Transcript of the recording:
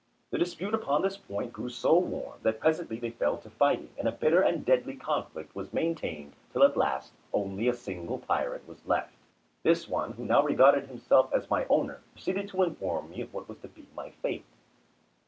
The dispute upon this point grew so warm that presently they fell to fighting; and a bitter and deadly conflict was maintained till at last only a single pirate was left. This one, who now regarded himself as my owner, proceeded to inform me of what was to be my fate.